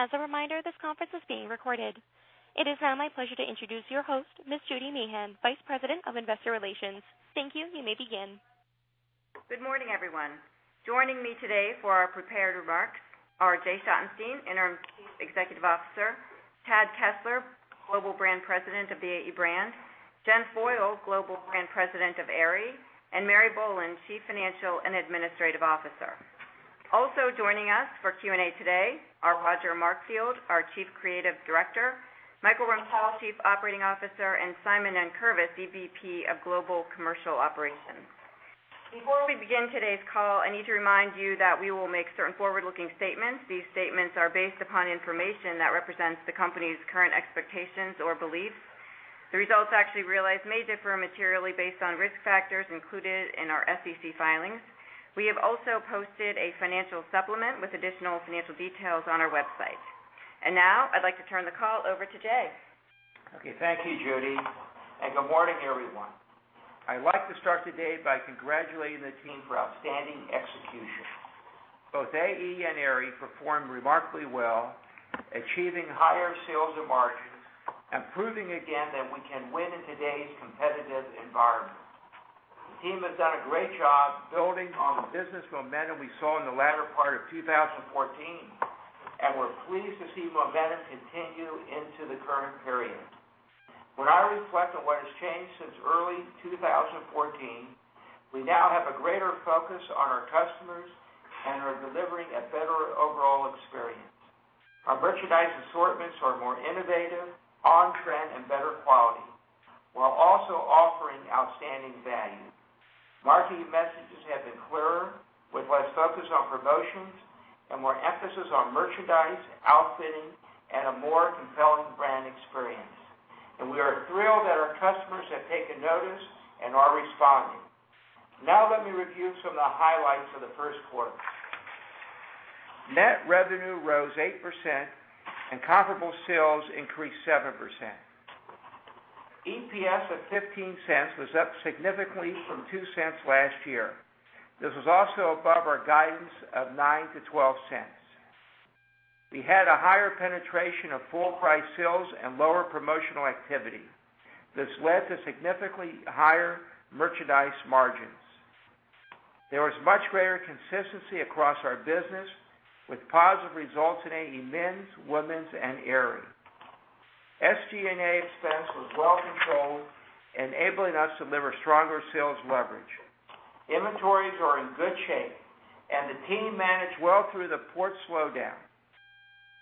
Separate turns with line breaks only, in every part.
As a reminder, this conference is being recorded. It is now my pleasure to introduce your host, Ms. Judy Meehan, Vice President of Investor Relations. Thank you. You may begin.
Good morning, everyone. Joining me today for our prepared remarks are Jay Schottenstein, Chief Executive Officer, Chad Kessler, Global Brand President of AE Brand, Jennifer Foyle, Global Brand President of Aerie, and Mary Boland, Chief Financial and Administrative Officer. Also joining us for Q&A today are Roger Markfield, our Chief Creative Director, Michael Rempell, Chief Operating Officer, and Simon Nankervis, EVP of Global Commercial Operations. Before we begin today's call, I need to remind you that we will make certain forward-looking statements. These statements are based upon information that represents the company's current expectations or beliefs. The results actually realized may differ materially based on risk factors included in our SEC filings. We have also posted a financial supplement with additional financial details on our website. Now I'd like to turn the call over to Jay.
Okay. Thank you, Judy, and good morning, everyone. I'd like to start today by congratulating the team for outstanding execution. Both AE and Aerie performed remarkably well, achieving higher sales and margins and proving again that we can win in today's competitive environment. The team has done a great job building on the business momentum we saw in the latter part of 2014, and we're pleased to see momentum continue into the current period. When I reflect on what has changed since early 2014, we now have a greater focus on our customers and are delivering a better overall experience. Our merchandise assortments are more innovative, on-trend, and better quality, while also offering outstanding value. Marketing messages have been clearer, with less focus on promotions and more emphasis on merchandise, outfitting, and a more compelling brand experience. We are thrilled that our customers have taken notice and are responding. Now let me review some of the highlights of the first quarter. Net revenue rose 8% and comparable sales increased 7%. EPS of $0.15 was up significantly from $0.02 last year. This was also above our guidance of $0.09-$0.12. We had a higher penetration of full-price sales and lower promotional activity. This led to significantly higher merchandise margins. There was much greater consistency across our business, with positive results in AE Men's, Women's, and Aerie. SG&A expense was well controlled, enabling us to deliver stronger sales leverage. Inventories are in good shape, and the team managed well through the port slowdown.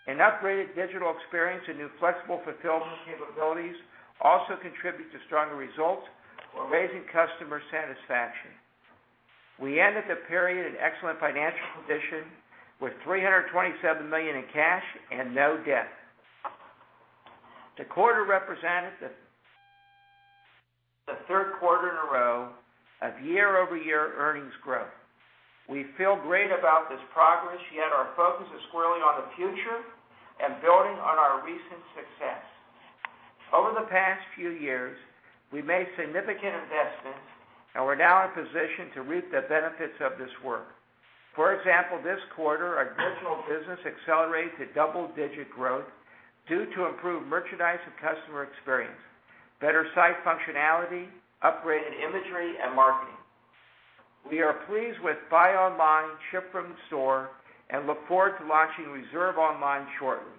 An upgraded digital experience and new flexible fulfillment capabilities also contribute to stronger results, while raising customer satisfaction. We ended the period in excellent financial position with $327 million in cash and no debt. The quarter represented the third quarter in a row of year-over-year earnings growth. We feel great about this progress, yet our focus is squarely on the future and building on our recent success. Over the past few years, we made significant investments and we're now in a position to reap the benefits of this work. For example, this quarter, our digital business accelerated to double-digit growth due to improved merchandise and customer experience, better site functionality, upgraded imagery, and marketing. We are pleased with buy online, ship from store, and look forward to launching reserve online shortly.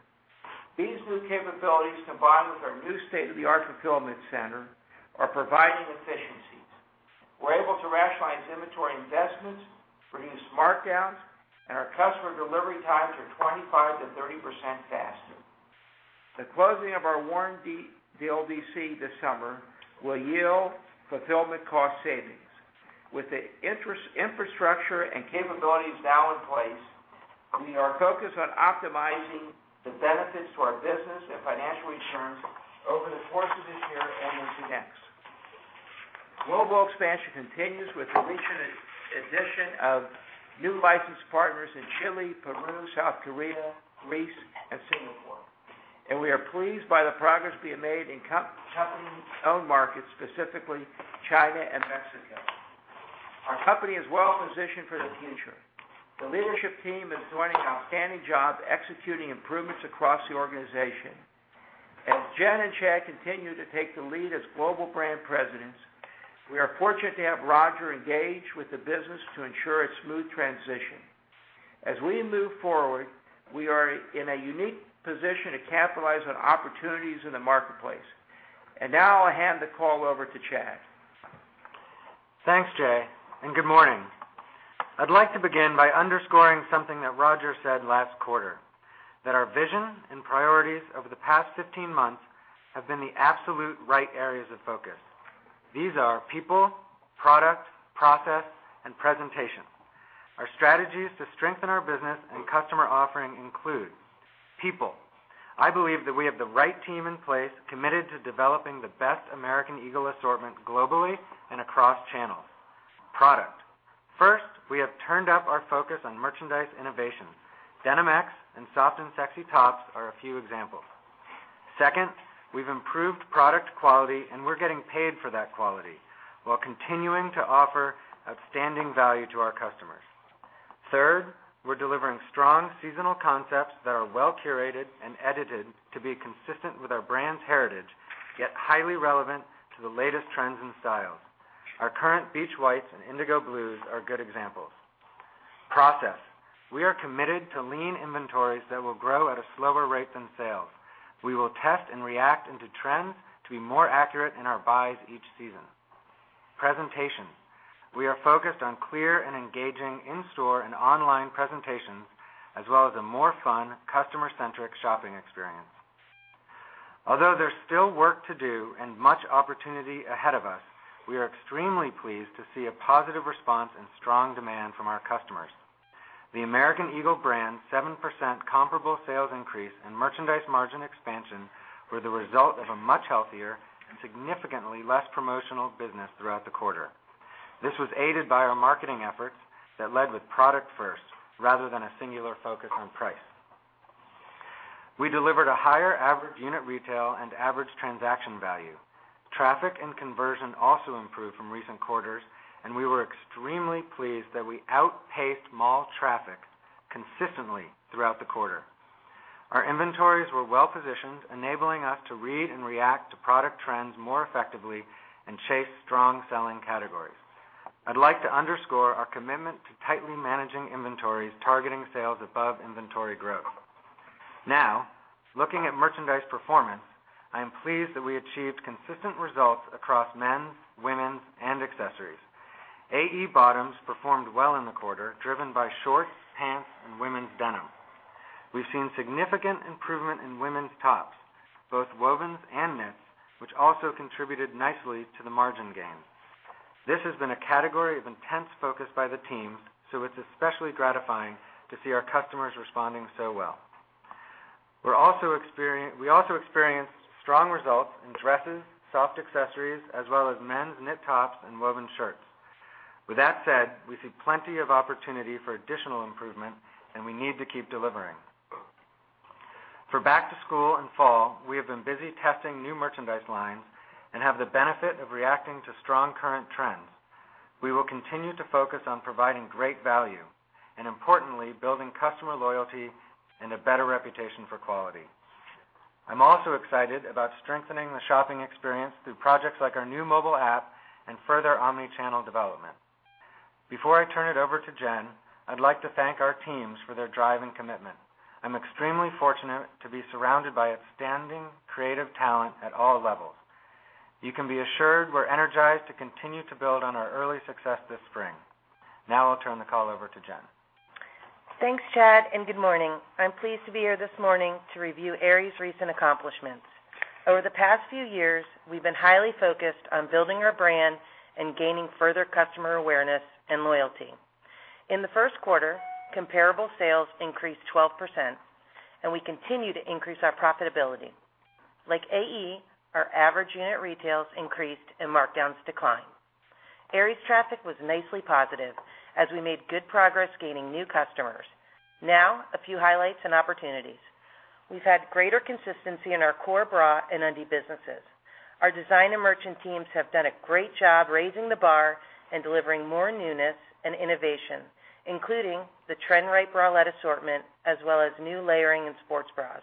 These new capabilities, combined with our new state-of-the-art fulfillment center, are providing efficiencies. We're able to rationalize inventory investments, reduce markdowns, and our customer delivery times are 25%-30% faster. The closing of our Warren DLDC this summer will yield fulfillment cost savings. With the infrastructure and capabilities now in place, we are focused on optimizing the benefits to our business and financial returns over the course of this year and into next. Global expansion continues with the recent addition of new license partners in Chile, Peru, South Korea, Greece, and Singapore. We are pleased by the progress being made in company-owned markets, specifically China and Mexico. Our company is well-positioned for the future. The leadership team is doing an outstanding job executing improvements across the organization. As Jen and Chad continue to take the lead as global brand presidents, we are fortunate to have Roger engaged with the business to ensure a smooth transition. As we move forward, we are in a unique position to capitalize on opportunities in the marketplace. Now I'll hand the call over to Chad.
Thanks, Jay. Good morning. I'd like to begin by underscoring something that Roger said last quarter, that our vision and priorities over the past 15 months have been the absolute right areas of focus. These are people, product, process, and presentation. Our strategies to strengthen our business and customer offering include people. I believe that we have the right team in place committed to developing the best American Eagle assortment globally and across channels. Product. First, we have turned up our focus on merchandise innovation. Denim X and Soft & Sexy Tops are a few examples. Second, we've improved product quality, and we're getting paid for that quality while continuing to offer outstanding value to our customers. Third, we're delivering strong seasonal concepts that are well-curated and edited to be consistent with our brand's heritage, yet highly relevant to the latest trends and styles. Our current beach whites and indigo blues are good examples. Process. We are committed to lean inventories that will grow at a slower rate than sales. We will test and react into trends to be more accurate in our buys each season. Presentation. We are focused on clear and engaging in-store and online presentations, as well as a more fun, customer-centric shopping experience. Although there's still work to do and much opportunity ahead of us, we are extremely pleased to see a positive response and strong demand from our customers. The American Eagle brand's 7% comparable sales increase and merchandise margin expansion were the result of a much healthier and significantly less promotional business throughout the quarter. This was aided by our marketing efforts that led with product first, rather than a singular focus on price. We delivered a higher average unit retail and average transaction value. Traffic and conversion also improved from recent quarters. We were extremely pleased that we outpaced mall traffic consistently throughout the quarter. Our inventories were well-positioned, enabling us to read and react to product trends more effectively and chase strong-selling categories. I'd like to underscore our commitment to tightly managing inventories, targeting sales above inventory growth. Now, looking at merchandise performance, I am pleased that we achieved consistent results across men's, women's, and accessories. AE bottoms performed well in the quarter, driven by shorts, pants, and women's denim. We've seen significant improvement in women's tops, both wovens and knits, which also contributed nicely to the margin gain. This has been a category of intense focus by the team, so it's especially gratifying to see our customers responding so well. We also experienced strong results in dresses, soft accessories, as well as men's knit tops and woven shirts. With that said, we see plenty of opportunity for additional improvement, and we need to keep delivering. For back to school and fall, we have been busy testing new merchandise lines and have the benefit of reacting to strong current trends. We will continue to focus on providing great value and importantly, building customer loyalty and a better reputation for quality. I'm also excited about strengthening the shopping experience through projects like our new mobile app and further omni-channel development. Before I turn it over to Jen, I'd like to thank our teams for their drive and commitment. I'm extremely fortunate to be surrounded by outstanding creative talent at all levels. You can be assured we're energized to continue to build on our early success this spring. Now I'll turn the call over to Jen.
Thanks, Chad, and good morning. I'm pleased to be here this morning to review Aerie's recent accomplishments. Over the past few years, we've been highly focused on building our brand and gaining further customer awareness and loyalty. In the first quarter, comparable sales increased 12%, and we continue to increase our profitability. Like AE, our average unit retails increased and markdowns declined. Aerie's traffic was nicely positive as we made good progress gaining new customers. Now a few highlights and opportunities. We've had greater consistency in our core bra and undie businesses. Our design and merchant teams have done a great job raising the bar and delivering more newness and innovation, including the trend-right bralette assortment, as well as new layering and sports bras.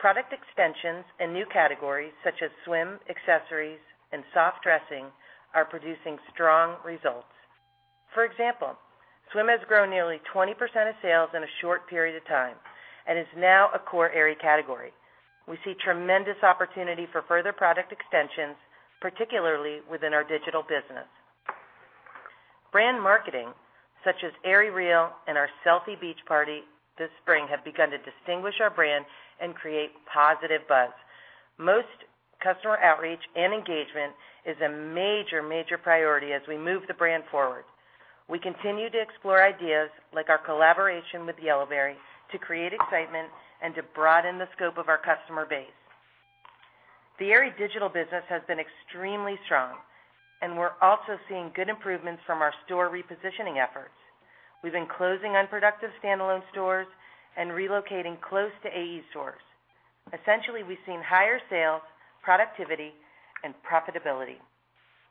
Product extensions and new categories such as swim, accessories, and soft dressing are producing strong results. For example, swim has grown nearly 20% of sales in a short period of time and is now a core Aerie category. We see tremendous opportunity for further product extensions, particularly within our digital business. Brand marketing, such as Aerie REAL and our Selfie Beach Party this spring, have begun to distinguish our brand and create positive buzz. Most customer outreach and engagement is a major priority as we move the brand forward. We continue to explore ideas like our collaboration with Yellowberry to create excitement and to broaden the scope of our customer base. The Aerie digital business has been extremely strong, and we're also seeing good improvements from our store repositioning efforts. We've been closing unproductive standalone stores and relocating close to AE stores. Essentially, we've seen higher sales, productivity, and profitability.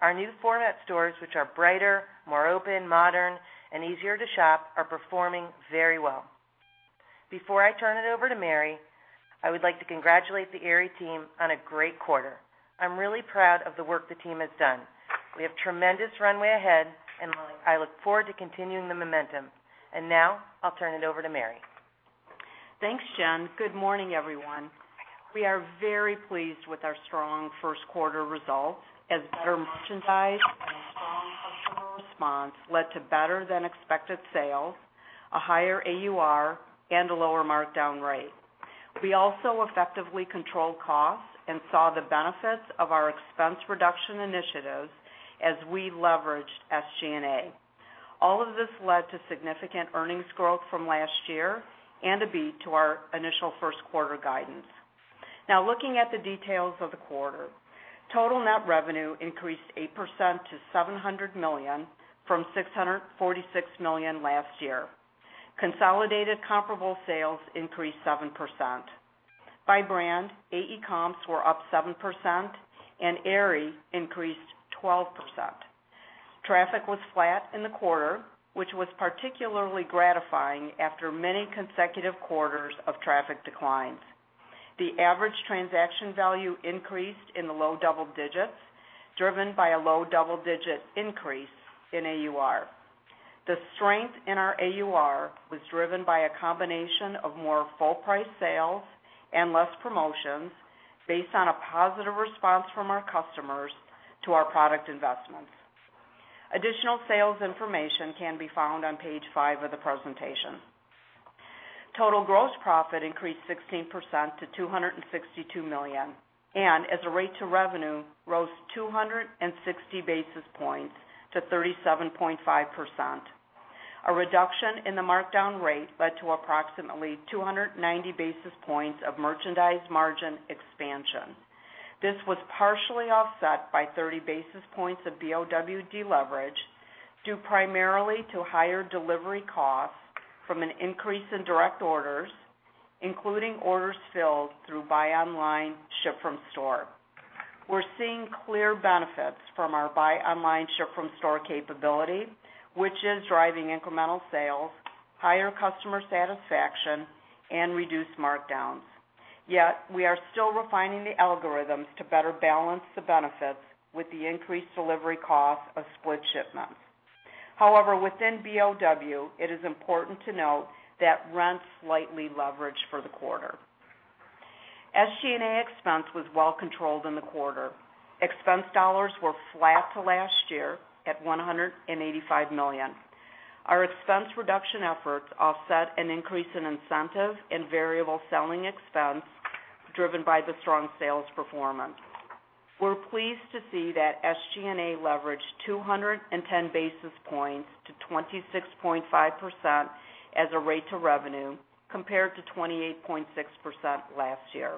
Our new format stores, which are brighter, more open, modern, and easier to shop, are performing very well. Before I turn it over to Mary, I would like to congratulate the Aerie team on a great quarter. I'm really proud of the work the team has done. We have tremendous runway ahead, and I look forward to continuing the momentum. Now I'll turn it over to Mary.
Thanks, Jen. Good morning, everyone. We are very pleased with our strong first quarter results as better merchandise and a strong customer response led to better-than-expected sales, a higher AUR, and a lower markdown rate. We also effectively controlled costs and saw the benefits of our expense reduction initiatives as we leveraged SG&A. All of this led to significant earnings growth from last year and a beat to our initial first quarter guidance. Looking at the details of the quarter. Total net revenue increased 8% to $700 million from $646 million last year. Consolidated comparable sales increased 7%. By brand, AE comps were up 7%, and Aerie increased 12%. Traffic was flat in the quarter, which was particularly gratifying after many consecutive quarters of traffic declines. The average transaction value increased in the low double digits, driven by a low double-digit increase in AUR. The strength in our AUR was driven by a combination of more full price sales and less promotions based on a positive response from our customers to our product investments. Additional sales information can be found on page five of the presentation. Total gross profit increased 16% to $262 million, and as a rate to revenue, rose 260 basis points to 37.5%. A reduction in the markdown rate led to approximately 290 basis points of merchandise margin expansion. This was partially offset by 30 basis points of BOW deleverage, due primarily to higher delivery costs from an increase in direct orders, including orders filled through buy online, ship from store. We're seeing clear benefits from our buy online, ship from store capability, which is driving incremental sales, higher customer satisfaction, and reduced markdowns. We are still refining the algorithms to better balance the benefits with the increased delivery cost of split shipments. Within BOW, it is important to note that rent slightly leveraged for the quarter. SG&A expense was well controlled in the quarter. Expense dollars were flat to last year at $185 million. Our expense reduction efforts offset an increase in incentive and variable selling expense driven by the strong sales performance. We're pleased to see that SG&A leveraged 210 basis points to 26.5% as a rate to revenue, compared to 28.6% last year.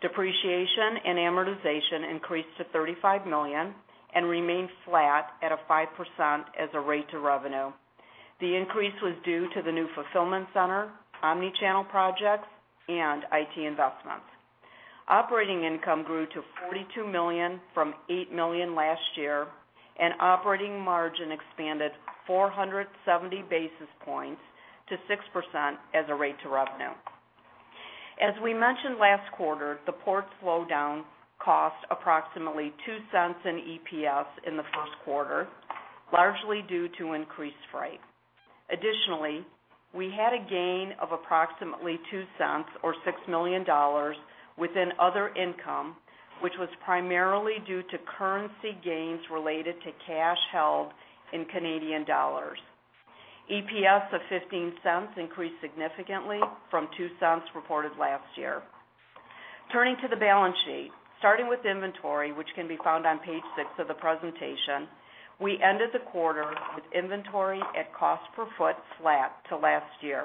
Depreciation and amortization increased to $35 million and remained flat at a 5% as a rate to revenue. The increase was due to the new fulfillment center, omni-channel projects, and IT investments. Operating income grew to $42 million from $8 million last year, and operating margin expanded 470 basis points to 6% as a rate to revenue. As we mentioned last quarter, the port slowdown cost approximately $0.02 in EPS in the first quarter, largely due to increased freight. Additionally, we had a gain of approximately $0.02 or $6 million within other income, which was primarily due to currency gains related to cash held in CAD. EPS of $0.15 increased significantly from $0.02 reported last year. Turning to the balance sheet. Starting with inventory, which can be found on page six of the presentation, we ended the quarter with inventory at cost per foot flat to last year.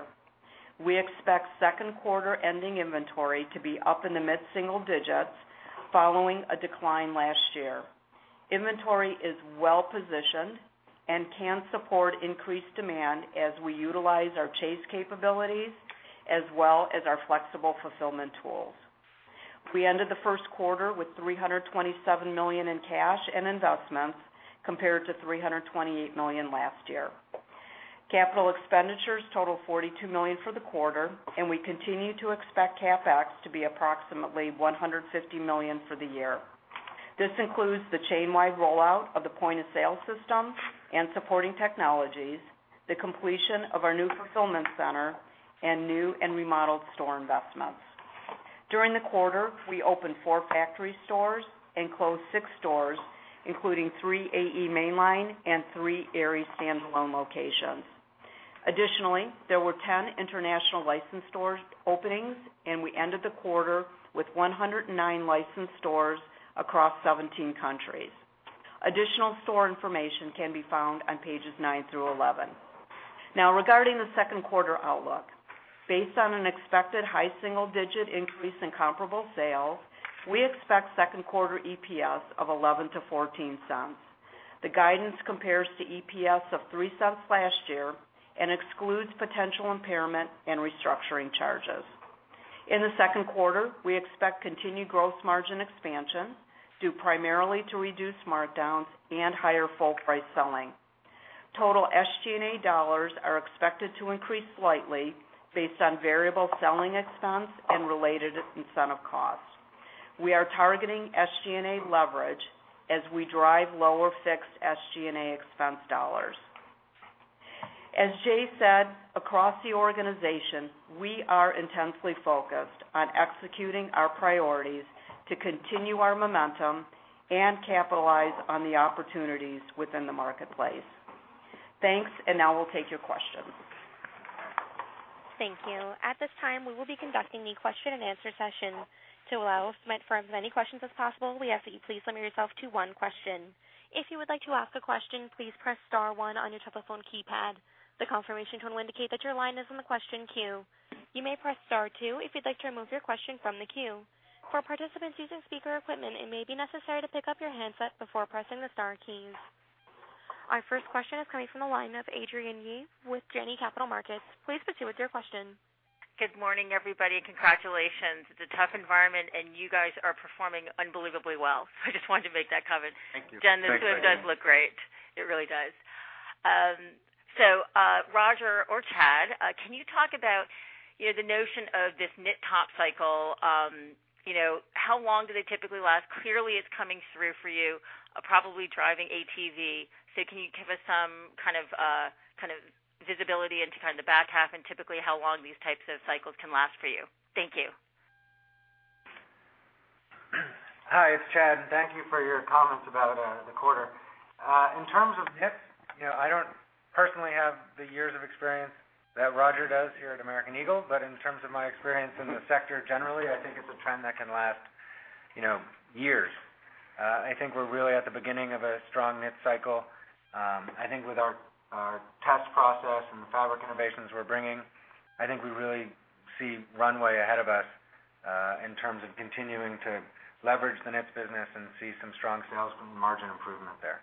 We expect second quarter ending inventory to be up in the mid-single digits following a decline last year. Inventory is well-positioned and can support increased demand as we utilize our chase capabilities, as well as our flexible fulfillment tools. We ended the first quarter with $327 million in cash and investments, compared to $328 million last year. Capital expenditures total $42 million for the quarter, and we continue to expect CapEx to be approximately $150 million for the year. This includes the chain-wide rollout of the point-of-sale system and supporting technologies, the completion of our new fulfillment center, and new and remodeled store investments. During the quarter, we opened four factory stores and closed six stores, including three AE mainline and three Aerie standalone locations. Additionally, there were 10 international licensed store openings, and we ended the quarter with 109 licensed stores across 17 countries. Additional store information can be found on pages nine through 11. Now, regarding the second quarter outlook. Based on an expected high single-digit increase in comparable sales, we expect second quarter EPS of $0.11 to $0.14. The guidance compares to EPS of $0.03 last year and excludes potential impairment and restructuring charges. In the second quarter, we expect continued gross margin expansion, due primarily to reduced markdowns and higher full price selling. Total SG&A dollars are expected to increase slightly based on variable selling expense and related incentive costs. We are targeting SG&A leverage as we drive lower fixed SG&A expense dollars. As Jay said, across the organization, we are intensely focused on executing our priorities to continue our momentum and capitalize on the opportunities within the marketplace. Thanks, and now we'll take your questions.
Thank you. At this time, we will be conducting the question-and-answer session. To allow as many firms as many questions as possible, we ask that you please limit yourself to one question. If you would like to ask a question, please press *1 on your telephone keypad. The confirmation tone will indicate that your line is in the question queue. You may press star two if you'd like to remove your question from the queue. For participants using speaker equipment, it may be necessary to pick up your handset before pressing the star keys. Our first question is coming from the line of Adrienne Yih with Janney Capital Markets. Please proceed with your question.
Good morning, everybody. Congratulations. It's a tough environment, and you guys are performing unbelievably well. I just wanted to make that comment.
Thank you.
Jen, this really does look great. It really does. Roger or Chad, can you talk about the notion of this knit top cycle? How long do they typically last? Clearly, it's coming through for you, probably driving ATV. Can you give us some kind of visibility into the back half and typically how long these types of cycles can last for you? Thank you.
Hi, it's Chad. Thank you for your comments about the quarter. In terms of knit, I don't personally have the years of experience that Roger does here at American Eagle. In terms of my experience in the sector generally, I think it's a trend that can last years. I think we're really at the beginning of a strong knit cycle. I think with our test process and the fabric innovations we're bringing, I think we really see runway ahead of us in terms of continuing to leverage the knits business and see some strong sales and margin improvement there.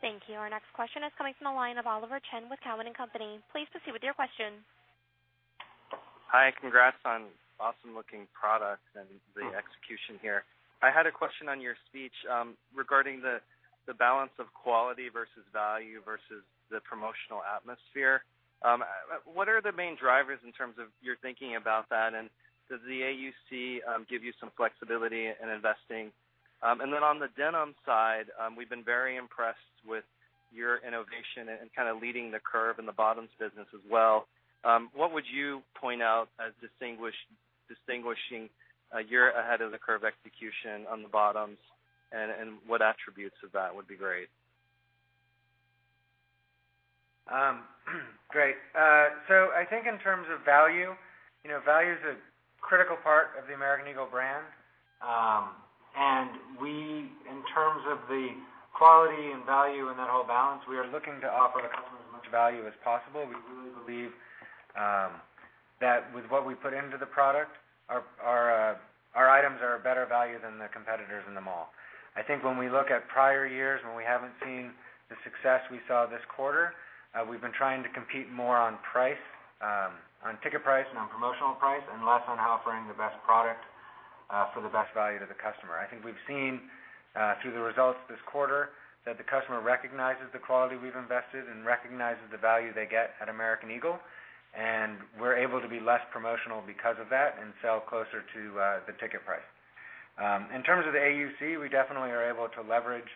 Thank you. Our next question is coming from the line of Oliver Chen with Cowen and Company. Please proceed with your question.
Hi, congrats on awesome looking products and the execution here. I had a question on your speech regarding the balance of quality versus value versus the promotional atmosphere. What are the main drivers in terms of your thinking about that, and does the AUC give you some flexibility in investing? On the denim side, we've been very impressed with your innovation and kind of leading the curve in the bottoms business as well. What would you point out as distinguishing a year ahead of the curve execution on the bottoms and what attributes of that would be great?
Great. I think in terms of value is a critical part of the American Eagle brand. We, in terms of the quality and value and that whole balance, we are looking to offer the customer as much value as possible. We really believe that with what we put into the product, our items are a better value than the competitors in the mall. I think when we look at prior years when we haven't seen the success we saw this quarter, we've been trying to compete more on price, on ticket price, and on promotional price, and less on offering the best product for the best value to the customer. I think we've seen through the results this quarter that the customer recognizes the quality we've invested and recognizes the value they get at American Eagle. We're able to be less promotional because of that and sell closer to the ticket price. In terms of the AUC, we definitely are able to leverage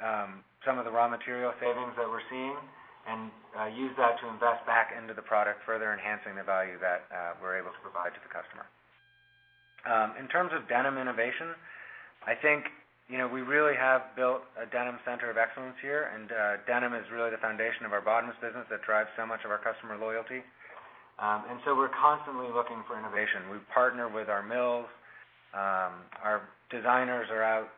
some of the raw material savings that we're seeing and use that to invest back into the product, further enhancing the value that we're able to provide to the customer. In terms of denim innovation, I think we really have built a denim center of excellence here. Denim is really the foundation of our bottoms business that drives so much of our customer loyalty. We're constantly looking for innovation. We partner with our mills. Our designers are out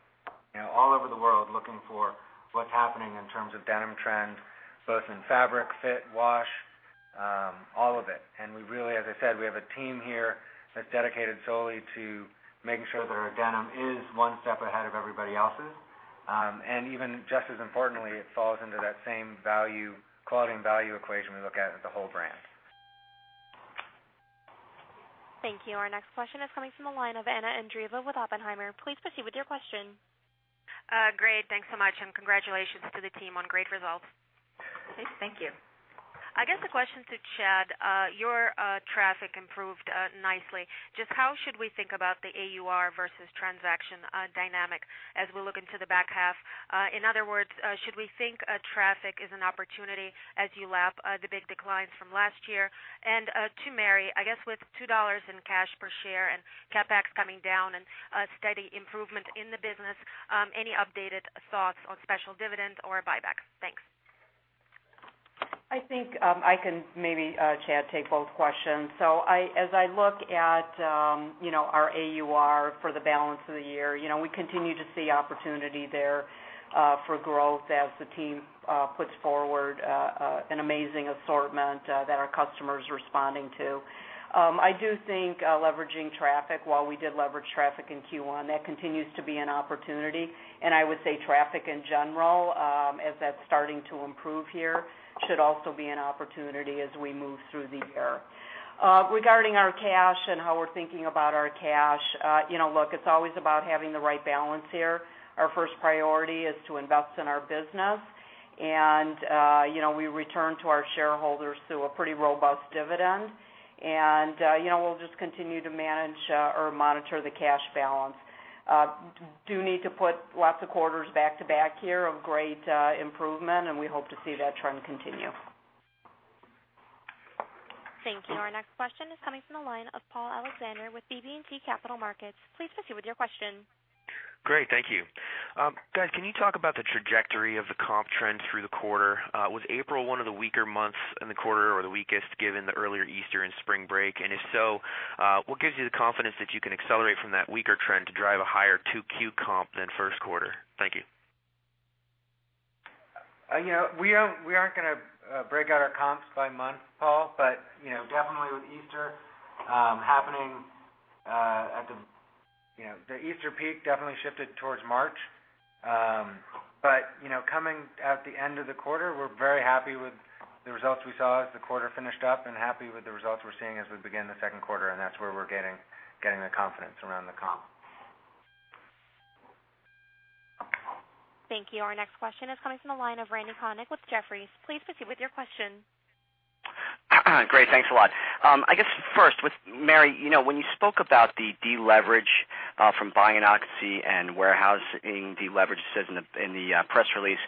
all over the world looking for what's happening in terms of denim trends, both in fabric, fit, wash, all of it. We really, as I said, we have a team here that's dedicated solely to making sure that our denim is one step ahead of everybody else's. Even just as importantly, it falls under that same quality and value equation we look at as a whole brand.
Thank you. Our next question is coming from the line of Anna Andreeva with Oppenheimer. Please proceed with your question.
Great. Thanks so much. Congratulations to the team on great results.
Thank you.
I guess the question to Chad, how should we think about the AUR versus transaction dynamic as we look into the back half? In other words, should we think traffic is an opportunity as you lap the big declines from last year? To Mary, I guess with $2 in cash per share and CapEx coming down and a steady improvement in the business, any updated thoughts on special dividends or buybacks? Thanks.
I think I can maybe, Chad, take both questions. As I look at our AUR for the balance of the year, we continue to see opportunity there for growth as the team puts forward an amazing assortment that our customer's responding to. I do think leveraging traffic, while we did leverage traffic in Q1, that continues to be an opportunity. I would say traffic in general, as that's starting to improve here, should also be an opportunity as we move through the year. Regarding our cash and how we're thinking about our cash, look, it's always about having the right balance here. Our first priority is to invest in our business. We return to our shareholders through a pretty robust dividend. We'll just continue to manage or monitor the cash balance. We do need to put lots of quarters back to back here of great improvement, we hope to see that trend continue.
Thank you. Our next question is coming from the line of Paul Alexander with BB&T Capital Markets. Please proceed with your question.
Great. Thank you. Guys, can you talk about the trajectory of the comp trend through the quarter? Was April one of the weaker months in the quarter or the weakest given the earlier Easter and spring break? If so, what gives you the confidence that you can accelerate from that weaker trend to drive a higher 2Q comp than first quarter? Thank you.
We aren't going to break out our comps by month, Paul. Definitely with Easter happening, the Easter peak definitely shifted towards March. Coming out at the end of the quarter, we're very happy with the results we saw as the quarter finished up, and happy with the results we're seeing as we begin the second quarter, and that's where we're getting the confidence around the comp.
Thank you. Our next question is coming from the line of Randy Konik with Jefferies. Please proceed with your question.
Great. Thanks a lot. I guess first with Mary, when you spoke about the deleverage from buying in occupancy and warehousing deleverage, it says in the press release,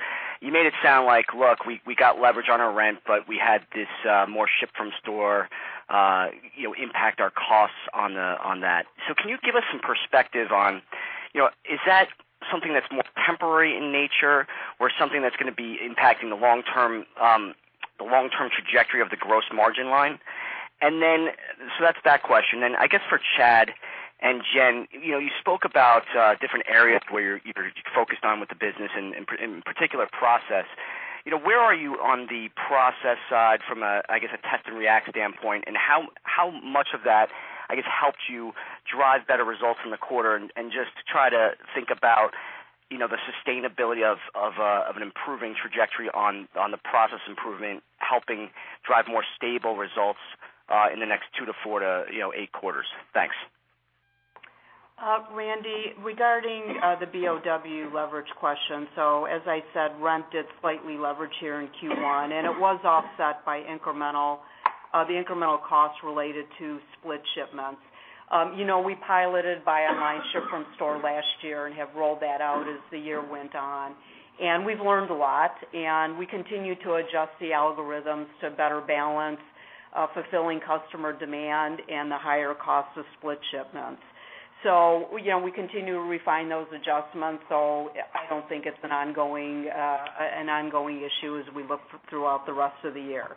you made it sound like, "Look, we got leverage on our rent, but we had this more ship from store impact our costs on that." Can you give us some perspective on, is that something that's more temporary in nature or something that's going to be impacting the long-term trajectory of the gross margin line? That's that question. I guess for Chad and Jen, you spoke about different areas where you're focused on with the business and in particular process. Where are you on the process side from a, I guess, a test and react standpoint, and how much of that, I guess, helped you drive better results from the quarter? Just to try to think about the sustainability of an improving trajectory on the process improvement, helping drive more stable results in the next two to four to eight quarters. Thanks.
Randy, regarding the BOW leverage question. As I said, rent did slightly leverage here in Q1, and it was offset by the incremental costs related to split shipments. We piloted buy online, ship from store last year and have rolled that out as the year went on. We've learned a lot, and we continue to adjust the algorithms to better balance fulfilling customer demand and the higher cost of split shipments. We continue to refine those adjustments. I don't think it's an ongoing issue as we look throughout the rest of the year.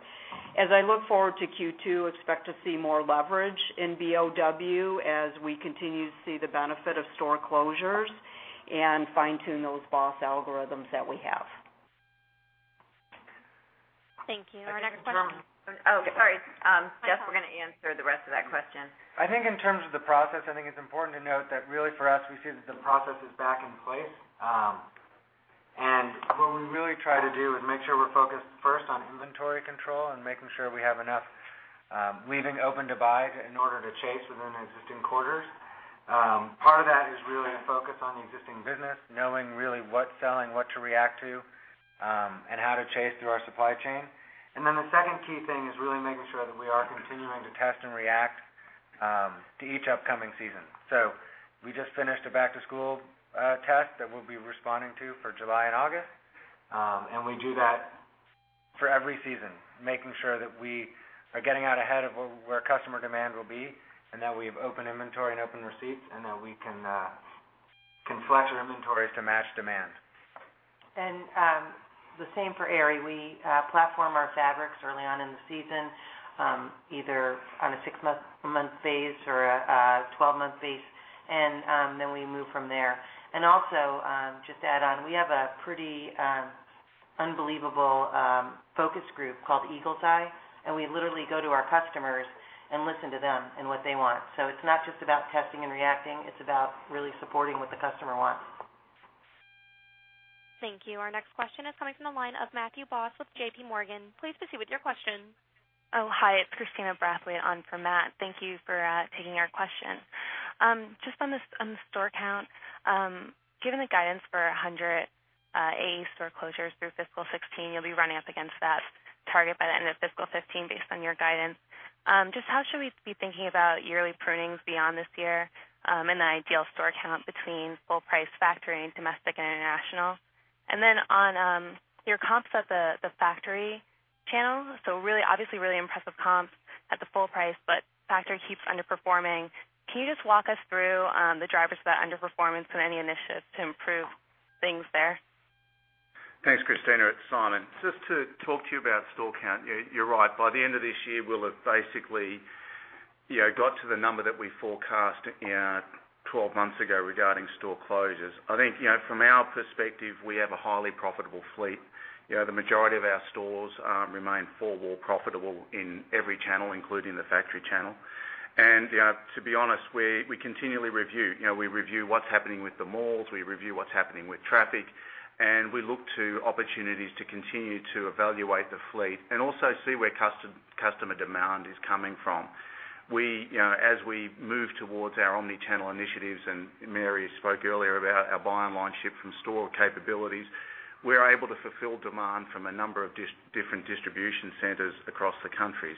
As I look forward to Q2, expect to see more leverage in BOW as we continue to see the benefit of store closures and fine-tune those BOSS algorithms that we have.
Thank you. Our next question.
Oh, sorry. Jess, we're going to answer the rest of that question.
I think in terms of the process, I think it's important to note that really for us, we see that the process is back in place. What we really try to do is make sure we're focused first on inventory control and making sure we have enough leaving open to buy in order to chase within existing quarters. Part of that is really a focus on the existing business, knowing really what's selling, what to react to, and how to chase through our supply chain. The second key thing is really making sure that we are continuing to test and react to each upcoming season. We just finished a back-to-school test that we'll be responding to for July and August. We do that for every season, making sure that we are getting out ahead of where customer demand will be, and that we have open inventory and open receipts, and that we can flex our inventories to match demand.
The same for Aerie. We platform our fabrics early on in the season, either on a six-month phase or a 12-month phase, and then we move from there. Just to add on, we have a pretty unbelievable focus group called Eagle Eye, and we literally go to our customers and listen to them and what they want. It's not just about testing and reacting, it's about really supporting what the customer wants.
Thank you. Our next question is coming from the line of Matthew Boss with JPMorgan. Please proceed with your question.
Hi, it's Christina Bradley on for Matt. Thank you for taking our question. On the store count. Given the guidance for 180 store closures through fiscal 2016, you'll be running up against that target by the end of fiscal 2015 based on your guidance. How should we be thinking about yearly prunings beyond this year, and the ideal store count between full price, factory and domestic and international? On your comps at the factory channel. Obviously really impressive comps at the full price, but factory keeps underperforming. Can you walk us through the drivers of that underperformance and any initiatives to improve things there?
Thanks, Christina. It's Simon. To talk to you about store count. You're right. By the end of this year, we'll have basically got to the number that we forecast 12 months ago regarding store closures. From our perspective, we have a highly profitable fleet. The majority of our stores remain four-wall profitable in every channel, including the factory channel. To be honest, we continually review. We review what's happening with the malls, we review what's happening with traffic, and we look to opportunities to continue to evaluate the fleet and also see where customer demand is coming from. As we move towards our omni-channel initiatives, and Mary spoke earlier about our buy online, ship from store capabilities, we're able to fulfill demand from a number of different distribution centers across the country.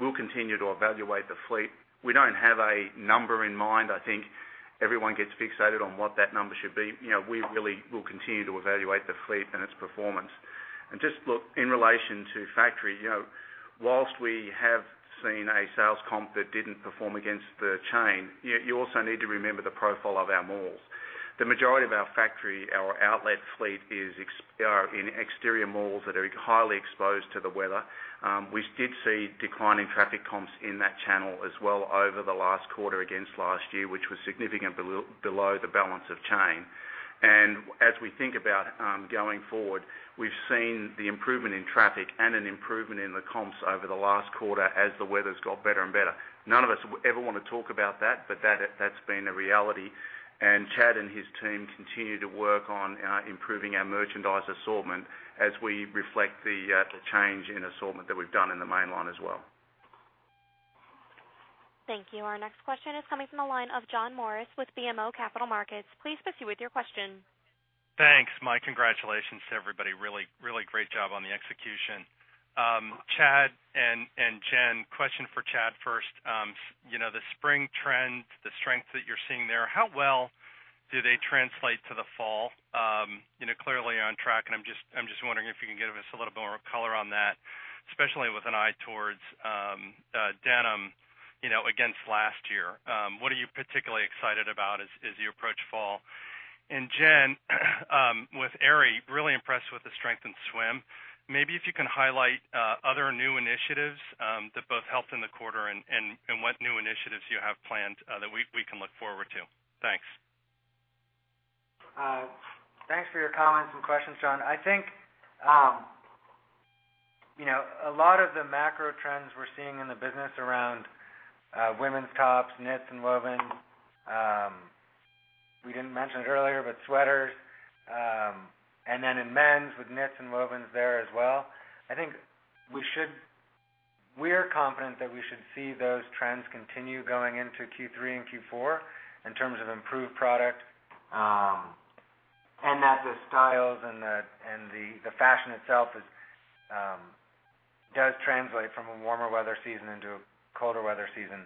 We'll continue to evaluate the fleet. We don't have a number in mind. Everyone gets fixated on what that number should be. We really will continue to evaluate the fleet and its performance. Look in relation to factory. Whilst we have seen a sales comp that didn't perform against the chain, you also need to remember the profile of our malls. The majority of our factory, our outlet fleet, are in exterior malls that are highly exposed to the weather. We did see declining traffic comps in that channel as well over the last quarter against last year, which was significant below the balance of chain. As we think about going forward, we've seen the improvement in traffic and an improvement in the comps over the last quarter as the weather's got better and better. None of us would ever want to talk about that, but that's been a reality. Chad and his team continue to work on improving our merchandise assortment as we reflect the change in assortment that we've done in the mainline as well.
Thank you. Our next question is coming from the line of John Morris with BMO Capital Markets. Please proceed with your question.
Thanks. My congratulations to everybody. Really great job on the execution. Chad and Jen, question for Chad first. The spring trend, the strength that you're seeing there, how well do they translate to the fall? Clearly on track, and I'm just wondering if you can give us a little more color on that, especially with an eye towards denim, against last year. What are you particularly excited about as you approach fall? Jen, with Aerie, really impressed with the strength in swim. Maybe if you can highlight other new initiatives that both helped in the quarter and what new initiatives you have planned that we can look forward to. Thanks.
Thanks for your comments and questions, John. I think a lot of the macro trends we're seeing in the business around women's tops, knits and wovens. We didn't mention it earlier, but sweaters. In men's with knits and wovens there as well. I think we are confident that we should see those trends continue going into Q3 and Q4 in terms of improved product, and that the styles and the fashion itself does translate from a warmer weather season into a colder weather season.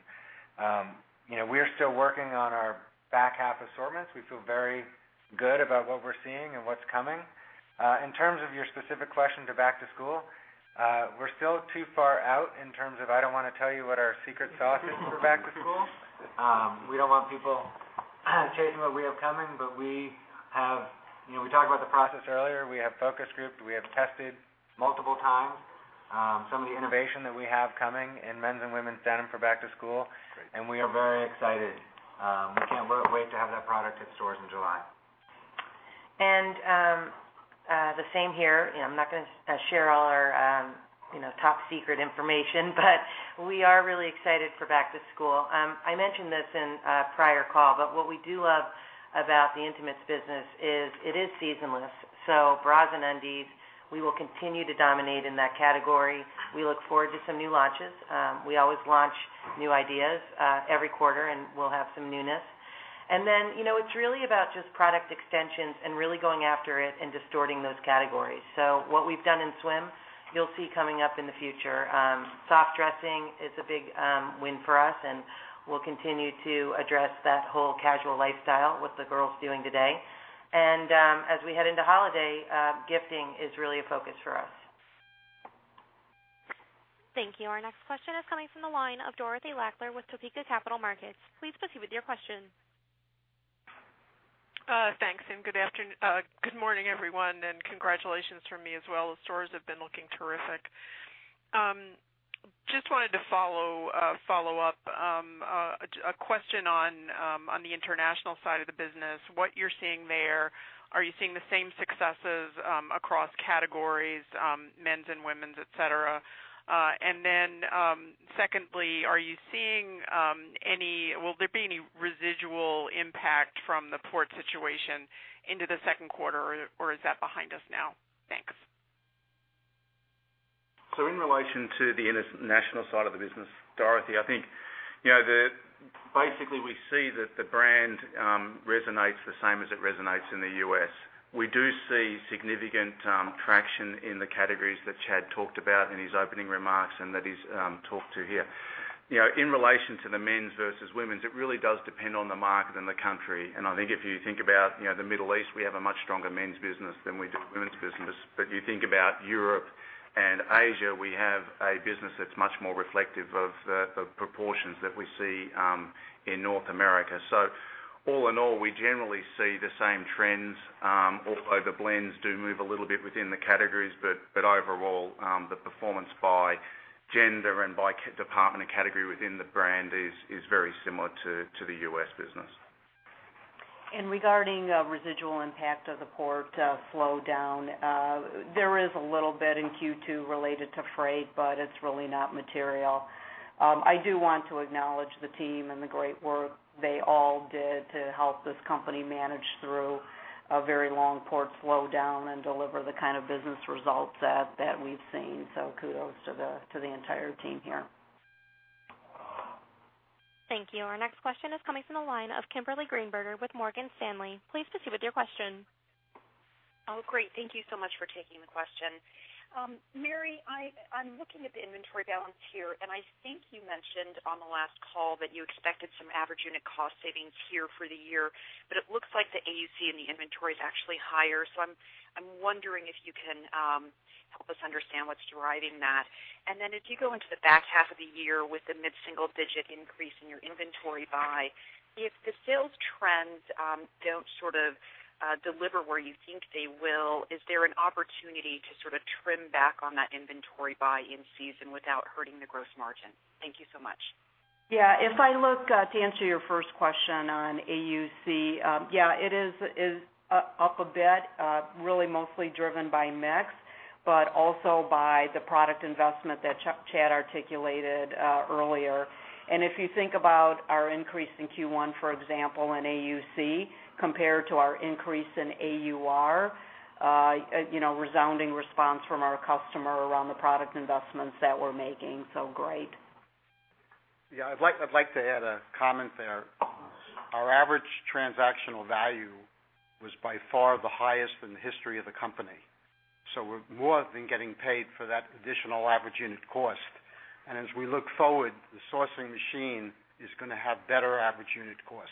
We are still working on our back half assortments. We feel very good about what we're seeing and what's coming. In terms of your specific question to back to school, we're still too far out in terms of, I don't want to tell you what our secret sauce is for back to school. We don't want people chasing what we have coming. We talked about the process earlier. We have focus grouped. We have tested multiple times some of the innovation that we have coming in men's and women's denim for back to school. We are very excited. We can't wait to have that product in stores in July.
The same here. I'm not going to share all our top secret information. We are really excited for back to school. I mentioned this in a prior call. What we do love about the intimates business is it is seasonless. Bras and undies, we will continue to dominate in that category. We look forward to some new launches. We always launch new ideas every quarter. We'll have some newness. It's really about just product extensions and really going after it and distorting those categories. What we've done in swim, you'll see coming up in the future. Soft dressing is a big win for us. We'll continue to address that whole casual lifestyle with the girls doing today. As we head into holiday, gifting is really a focus for us.
Thank you. Our next question is coming from the line of Dorothy Lakner with Topeka Capital Markets. Please proceed with your question.
Thanks. Good morning, everyone. Congratulations from me as well. The stores have been looking terrific. Just wanted to follow up a question on the international side of the business, what you're seeing there. Are you seeing the same successes across categories, men's and women's, et cetera? Secondly, will there be any residual impact from the port situation into the second quarter, or is that behind us now? Thanks.
In relation to the international side of the business, Dorothy, I think basically we see that the brand resonates the same as it resonates in the U.S. We do see significant traction in the categories that Chad talked about in his opening remarks and that he's talked to here. In relation to the men's versus women's, it really does depend on the market and the country. I think if you think about the Middle East, we have a much stronger men's business than we do women's business. You think about Europe and Asia, we have a business that's much more reflective of proportions that we see in North America. All in all, we generally see the same trends. Although the blends do move a little bit within the categories, but overall, the performance by gender and by department and category within the brand is very similar to the U.S. business.
Regarding residual impact of the port slowdown, there is a little bit in Q2 related to freight, but it's really not material. I do want to acknowledge the team and the great work they all did to help this company manage through a very long port slowdown and deliver the kind of business results that we've seen. Kudos to the entire team here.
Thank you. Our next question is coming from the line of Kimberly Greenberger with Morgan Stanley. Please proceed with your question.
Oh, great. Thank you so much for taking the question. Mary, I'm looking at the inventory balance here, and I think you mentioned on the last call that you expected some average unit cost savings here for the year, but it looks like the AUC in the inventory is actually higher. I'm wondering if you can help us understand what's driving that. As you go into the back half of the year with the mid-single-digit increase in your inventory buy, if the sales trends don't sort of deliver where you think they will, is there an opportunity to sort of trim back on that inventory buy in season without hurting the gross margin? Thank you so much.
Yeah. To answer your first question on AUC. Yeah, it is up a bit, really mostly driven by mix, but also by the product investment that Chad articulated earlier. If you think about our increase in Q1, for example, in AUC, compared to our increase in AUR, resounding response from our customer around the product investments that we're making. Great.
Yeah. I'd like to add a comment there. Our average transactional value was by far the highest in the history of the company. We're more than getting paid for that additional average unit cost. As we look forward, the sourcing machine is going to have better average unit costs.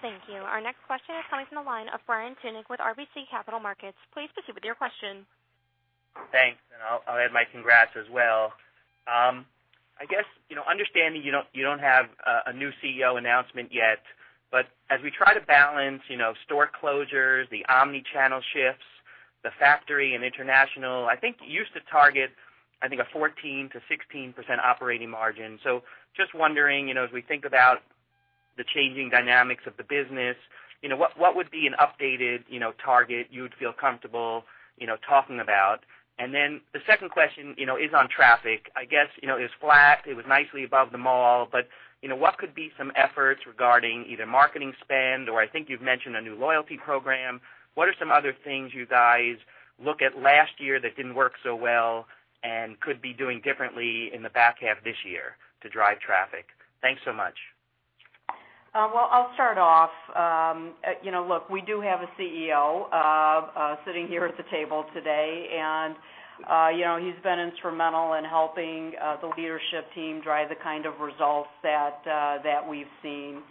Thank you. Our next question is coming from the line of Brian Tunick with RBC Capital Markets. Please proceed with your question.
Thanks. I'll add my congrats as well. I guess, understanding you don't have a new CEO announcement yet, as we try to balance store closures, the omni-channel shifts, the factory and international, I think you used to target a 14%-16% operating margin. Just wondering, as we think about the changing dynamics of the business, what would be an updated target you'd feel comfortable talking about? The second question is on traffic. I guess, it was flat, it was nicely above the mall, what could be some efforts regarding either marketing spend or I think you've mentioned a new loyalty program. What are some other things you guys look at last year that didn't work so well and could be doing differently in the back half of this year to drive traffic? Thanks so much.
I'll start off. Look, we do have a CEO sitting here at the table today. He's been instrumental in helping the leadership team drive the kind of results that we've seen.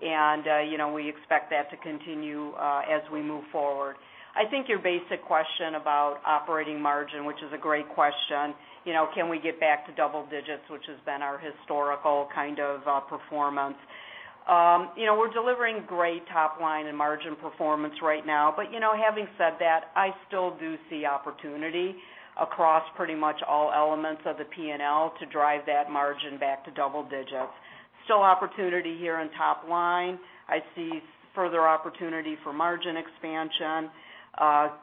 We expect that to continue as we move forward. I think your basic question about operating margin, which is a great question, can we get back to double digits, which has been our historical kind of performance. We're delivering great top line and margin performance right now. Having said that, I still do see opportunity across pretty much all elements of the P&L to drive that margin back to double digits. Still opportunity here on top line. I see further opportunity for margin expansion,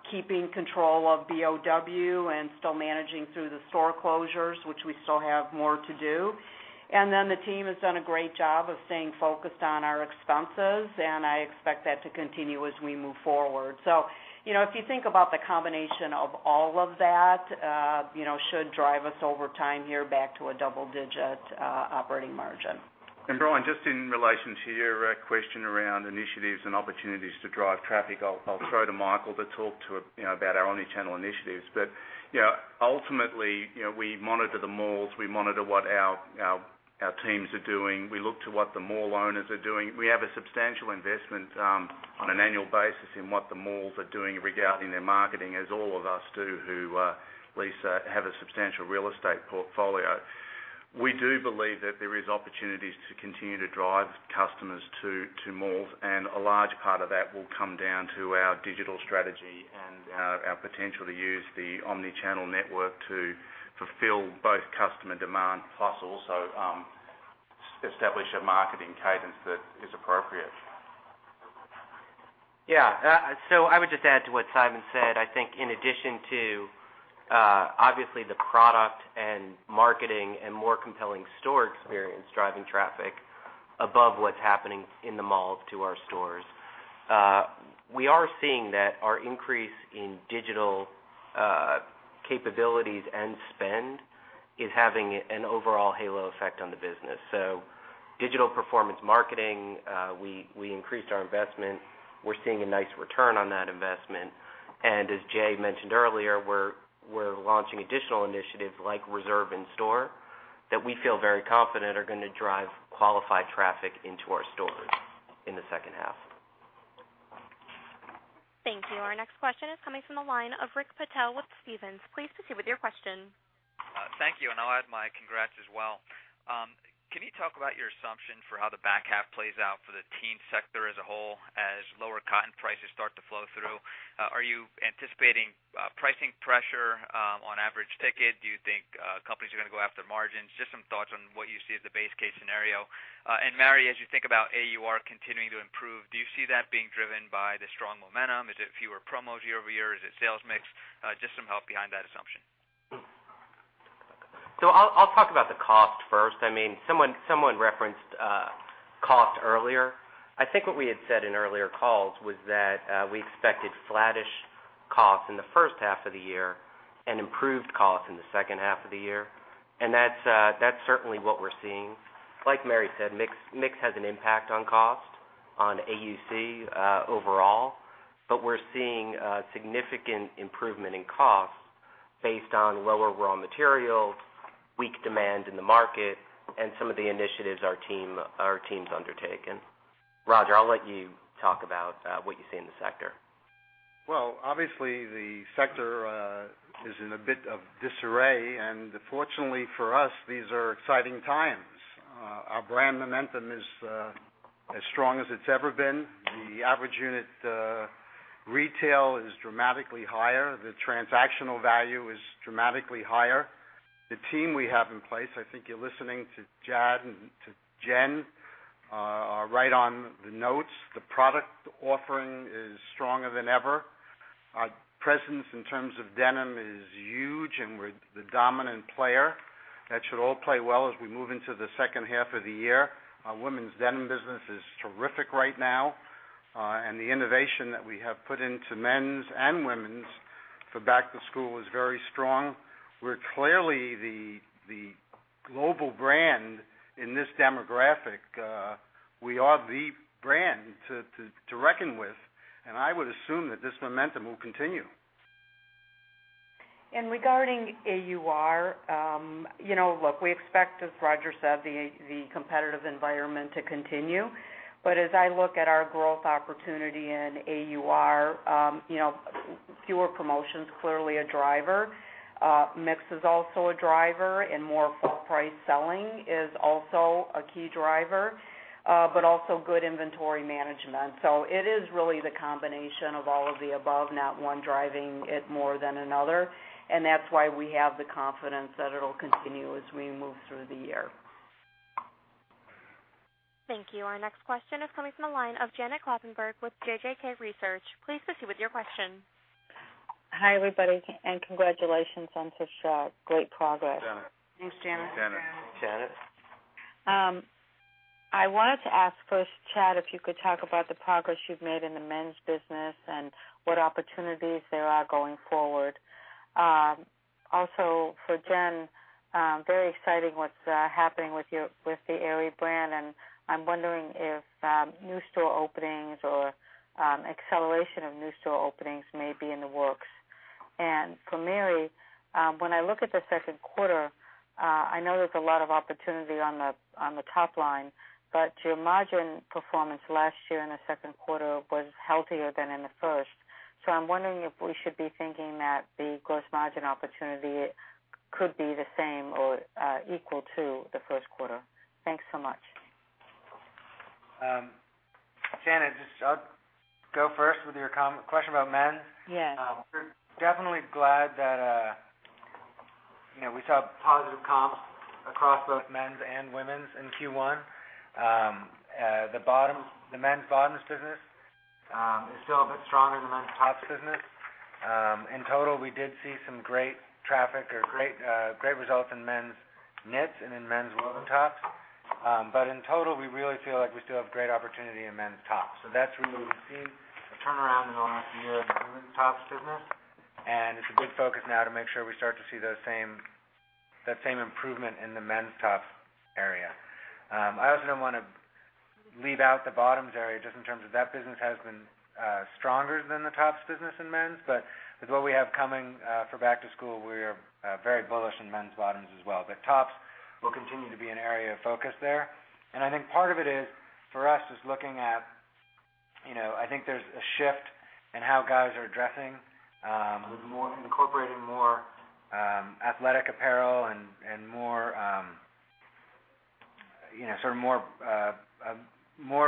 keeping control of BOW and still managing through the store closures, which we still have more to do. The team has done a great job of staying focused on our expenses. I expect that to continue as we move forward. If you think about the combination of all of that should drive us over time here back to a double-digit operating margin.
Brian, just in relation to your question around initiatives and opportunities to drive traffic, I'll throw to Michael to talk about our omni-channel initiatives. Ultimately, we monitor the malls, we monitor what our teams are doing. We look to what the mall owners are doing. We have a substantial investment on an annual basis in what the malls are doing regarding their marketing, as all of us do, who have a substantial real estate portfolio. We do believe that there is opportunities to continue to drive customers to malls, a large part of that will come down to our digital strategy and our potential to use the omni-channel network to fulfill both customer demand, plus also establish a marketing cadence that is appropriate.
I would just add to what Simon said. I think in addition to, obviously, the product and marketing and more compelling store experience driving traffic above what's happening in the malls to our stores. We are seeing that our increase in digital capabilities and spend is having an overall halo effect on the business. Digital performance marketing, we increased our investment. We're seeing a nice return on that investment. As Jay mentioned earlier, we're launching additional initiatives like Reserve in Store that we feel very confident are gonna drive qualified traffic into our stores in the second half.
Thank you. Our next question is coming from the line of Rick Patel with Stephens. Please proceed with your question.
Thank you. I'll add my congrats as well. Can you talk about your assumption for how the back half plays out for the teen sector as a whole, as lower cotton prices start to flow through? Are you anticipating pricing pressure on average ticket? Do you think companies are gonna go after margins? Just some thoughts on what you see as the base case scenario. Mary, as you think about AUR continuing to improve, do you see that being driven by the strong momentum? Is it fewer promos year-over-year? Is it sales mix? Just some help behind that assumption.
I'll talk about the cost first. Someone referenced cost earlier. I think what we had said in earlier calls was that we expected flattish costs in the first half of the year and improved costs in the second half of the year. That's certainly what we're seeing. Like Mary said, mix has an impact on cost, on AUC overall. We're seeing a significant improvement in costs based on lower raw material, weak demand in the market, and some of the initiatives our team's undertaken. Roger, I'll let you talk about what you see in the sector.
Well, obviously, the sector is in a bit of disarray. Fortunately for us, these are exciting times. Our brand momentum is as strong as it has ever been. The Average Unit Retail is dramatically higher. The transactional value is dramatically higher. The team we have in place, I think you are listening to Chad and to Jen, are right on the notes. The product offering is stronger than ever. Our presence in terms of denim is huge. We are the dominant player. That should all play well as we move into the second half of the year. Our women's denim business is terrific right now. The innovation that we have put into men's and women's for back to school is very strong. We are clearly the global brand in this demographic. We are the brand to reckon with. I would assume that this momentum will continue.
Regarding AUR, we expect, as Roger said, the competitive environment to continue. As I look at our growth opportunity in AUR, fewer promotions, clearly a driver. Mix is also a driver. More full price selling is also a key driver, but also good inventory management. It is really the combination of all of the above, not one driving it more than another. That is why we have the confidence that it will continue as we move through the year.
Thank you. Our next question is coming from the line of Janet Kloppenburg with JJK Research. Please proceed with your question.
Hi, everybody. Congratulations on such great progress.
Thanks, Janet.
Janet.
I wanted to ask first, Chad, if you could talk about the progress you've made in the men's business and what opportunities there are going forward. For Jen, very exciting what's happening with the Aerie brand, and I'm wondering if new store openings or acceleration of new store openings may be in the works. For Mary, when I look at the second quarter, I know there's a lot of opportunity on the top line, but your margin performance last year in the second quarter was healthier than in the first. I'm wondering if we should be thinking that the gross margin opportunity could be the same or equal to the first quarter. Thanks so much.
Janet, I'll go first with your question about men.
Yes.
We're definitely glad that we saw positive comps across both men's and women's in Q1. The men's bottoms business is still a bit stronger than men's tops business. In total, we did see some great traffic or great results in men's knits and in men's woven tops. In total, we really feel like we still have great opportunity in men's tops. That's where we've seen a turnaround in the last year in the women's tops business, and it's a good focus now to make sure we start to see that same improvement in the men's tops area. I also don't want to leave out the bottoms area just in terms of that business has been stronger than the tops business in men's. With what we have coming for back to school, we're very bullish on men's bottoms as well. Tops will continue to be an area of focus there. I think part of it is for us is looking at, I think there's a shift in how guys are dressing. With incorporating more athletic apparel and more of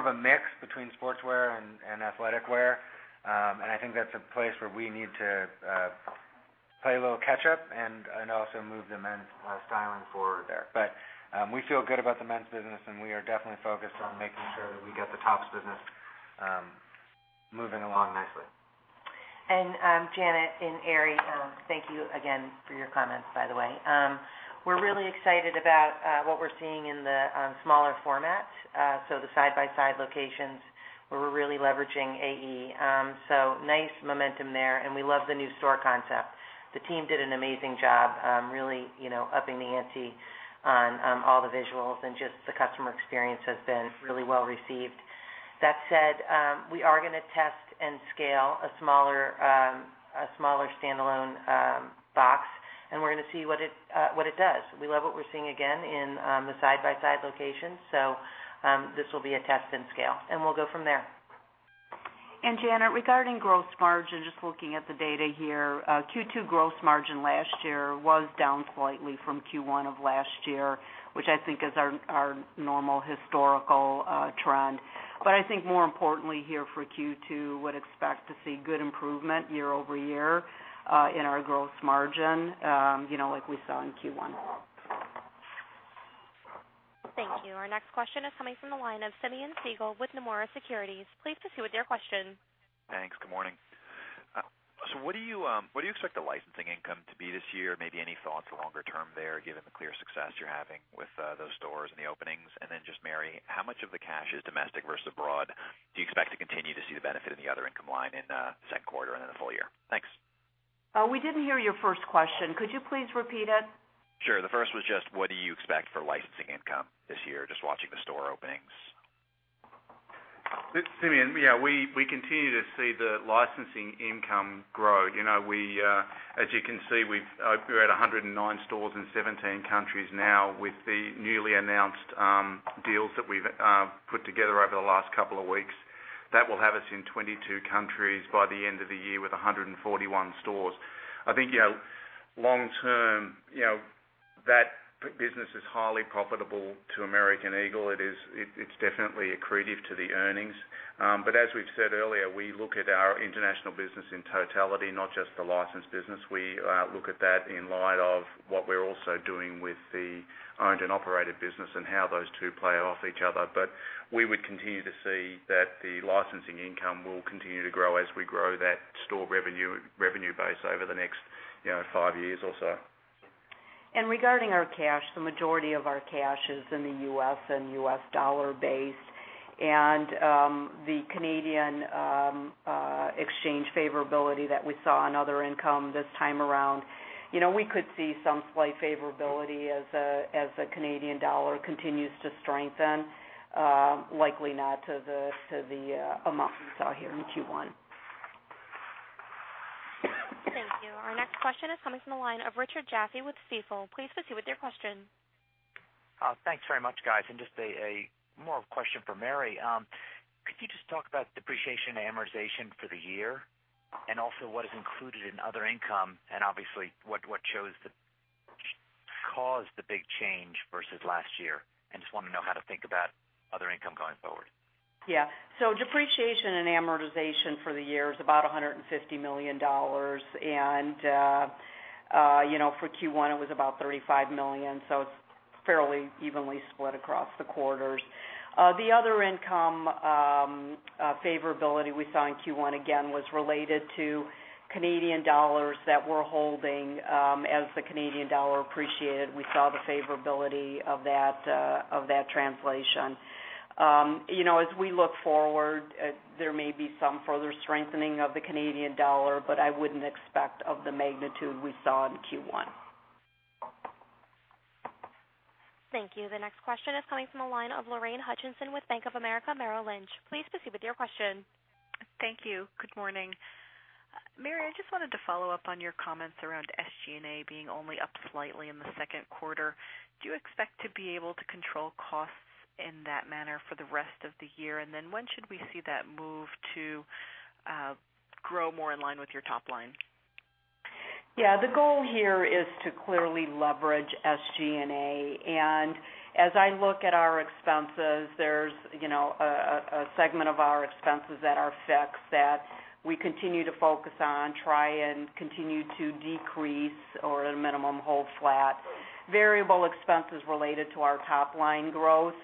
a mix between sportswear and athletic wear. I think that's a place where we need to play a little catch up and also move the men's styling forward there. We feel good about the men's business, and we are definitely focused on making sure that we get the tops business moving along nicely.
Janet, in Aerie, thank you again for your comments, by the way. We're really excited about what we're seeing in the smaller formats. The side-by-side locations where we're really leveraging AE. Nice momentum there, and we love the new store concept. The team did an amazing job, really upping the ante on all the visuals, and just the customer experience has been really well received. That said, we are going to test and scale a smaller standalone box, and we're going to see what it does. We love what we're seeing again in the side-by-side locations. This will be a test and scale, and we'll go from there.
Janet, regarding gross margin, just looking at the data here. Q2 gross margin last year was down slightly from Q1 of last year, which I think is our normal historical trend. I think more importantly here for Q2, would expect to see good improvement year-over-year in our gross margin, like we saw in Q1.
Thank you. Our next question is coming from the line of Simeon Siegel with Nomura Securities. Please proceed with your question.
Thanks. Good morning. What do you expect the licensing income to be this year? Maybe any thoughts longer term there, given the clear success you're having with those stores and the openings? Then just Mary, how much of the cash is domestic versus abroad? Do you expect to continue to see the benefit in the other income line in the second quarter and then the full year? Thanks.
We didn't hear your first question. Could you please repeat it?
Sure. The first was just what do you expect for licensing income this year? Just watching the store openings.
Simeon. Yeah. We continue to see the licensing income grow. As you can see, we're at 109 stores in 17 countries now with the newly announced deals that we've put together over the last couple of weeks. That will have us in 22 countries by the end of the year with 141 stores. I think long term.
That business is highly profitable to American Eagle. It's definitely accretive to the earnings. As we've said earlier, we look at our international business in totality, not just the licensed business. We look at that in light of what we're also doing with the owned and operated business and how those two play off each other. We would continue to see that the licensing income will continue to grow as we grow that store revenue base over the next five years or so.
Regarding our cash, the majority of our cash is in the U.S. and U.S. dollar based. The Canadian exchange favorability that we saw in other income this time around, we could see some slight favorability as the Canadian dollar continues to strengthen. Likely not to the amount we saw here in Q1.
Thank you. Our next question is coming from the line of Richard Jaffe with Stifel. Please proceed with your question.
Thanks very much, guys. Just more of a question for Mary. Could you just talk about depreciation amortization for the year? Also what is included in other income and obviously what caused the big change versus last year? I just want to know how to think about other income going forward.
Depreciation and amortization for the year is about $150 million. For Q1, it was about $35 million, so it's fairly evenly split across the quarters. The other income favorability we saw in Q1, again, was related to Canadian dollars that we're holding. As the Canadian dollar appreciated, we saw the favorability of that translation. As we look forward, there may be some further strengthening of the Canadian dollar, I wouldn't expect of the magnitude we saw in Q1.
Thank you. The next question is coming from the line of Lorraine Hutchinson with Bank of America Merrill Lynch. Please proceed with your question.
Thank you. Good morning. Mary, I just wanted to follow up on your comments around SG&A being only up slightly in the second quarter. Do you expect to be able to control costs in that manner for the rest of the year? When should we see that move to grow more in line with your top line?
The goal here is to clearly leverage SG&A. As I look at our expenses, there's a segment of our expenses that are fixed that we continue to focus on, try and continue to decrease or at a minimum, hold flat. Variable expenses related to our top-line growth.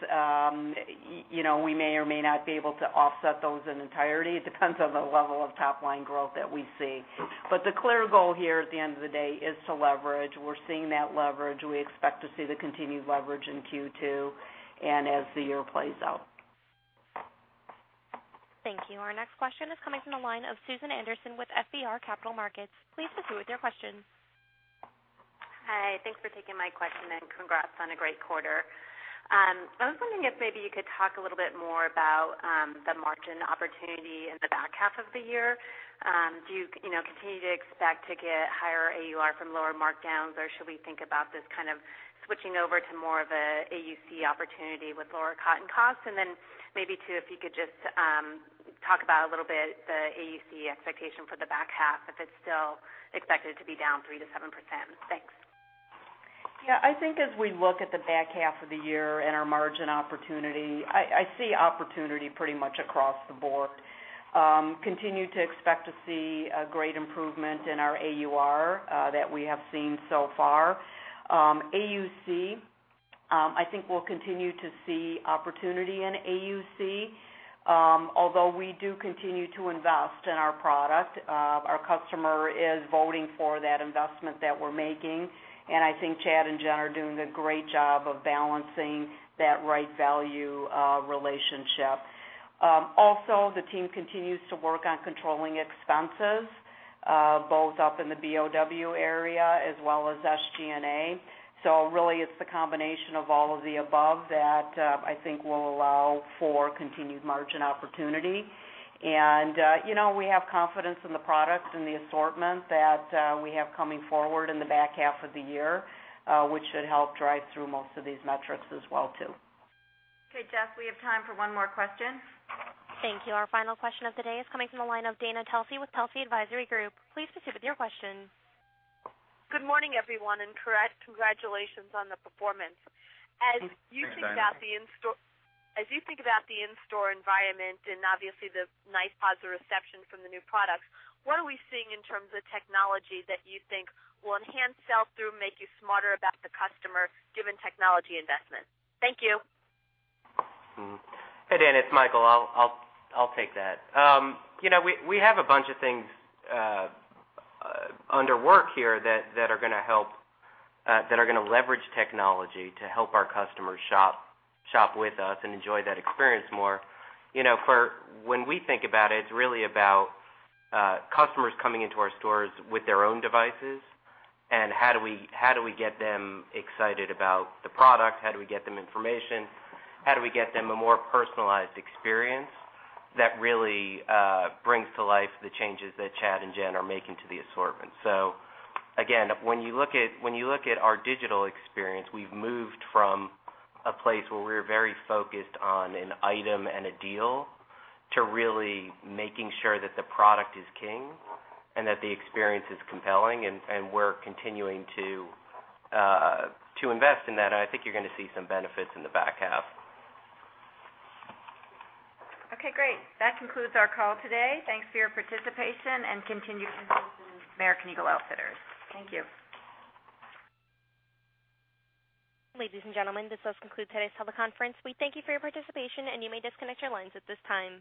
We may or may not be able to offset those in entirety. It depends on the level of top-line growth that we see. The clear goal here at the end of the day is to leverage. We're seeing that leverage. We expect to see the continued leverage in Q2 and as the year plays out.
Thank you. Our next question is coming from the line of Susan Anderson with FBR Capital Markets. Please proceed with your question.
Hi. Thanks for taking my question and congrats on a great quarter. I was wondering if maybe you could talk a little bit more about the margin opportunity in the back half of the year. Do you continue to expect to get higher AUR from lower markdowns, or should we think about this kind of switching over to more of a AUC opportunity with lower cotton costs? Maybe, too, if you could just talk about a little bit the AUC expectation for the back half, if it's still expected to be down 3%-7%. Thanks.
I think as we look at the back half of the year and our margin opportunity, I see opportunity pretty much across the board. Continue to expect to see a great improvement in our AUR that we have seen so far. AUC, I think we'll continue to see opportunity in AUC, although we do continue to invest in our product. Our customer is voting for that investment that we're making, and I think Chad and Jen are doing a great job of balancing that right value relationship. Also, the team continues to work on controlling expenses, both up in the BOW area as well as SG&A. Really, it's the combination of all of the above that I think will allow for continued margin opportunity. We have confidence in the products and the assortment that we have coming forward in the back half of the year, which should help drive through most of these metrics as well, too.
Okay, Jess, we have time for one more question.
Thank you. Our final question of the day is coming from the line of Dana Telsey with Telsey Advisory Group. Please proceed with your question.
Good morning, everyone. Congratulations on the performance.
Thanks, Dana.
As you think about the in-store environment and obviously the nice positive reception from the new products, what are we seeing in terms of technology that you think will enhance sell-through, make you smarter about the customer, given technology investment? Thank you.
Hey, Dana, it's Michael. I'll take that. We have a bunch of things under work here that are gonna leverage technology to help our customers shop with us and enjoy that experience more. When we think about it's really about customers coming into our stores with their own devices and how do we get them excited about the product, how do we get them information, how do we get them a more personalized experience that really brings to life the changes that Chad and Jen are making to the assortment. Again, when you look at our digital experience, we've moved from a place where we're very focused on an item and a deal to really making sure that the product is king and that the experience is compelling, and we're continuing to invest in that. I think you're gonna see some benefits in the back half.
Okay, great. That concludes our call today. Thanks for your participation and continued interest in American Eagle Outfitters. Thank you.
Ladies and gentlemen, this does conclude today's teleconference. We thank you for your participation, and you may disconnect your lines at this time.